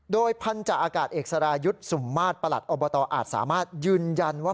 โดยพันธาอากาศเอกสรายุทธ์สุ่มมาตรประหลัดอบตอาจสามารถยืนยันว่า